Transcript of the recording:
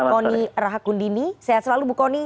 koni rahakundini sehat selalu bu koni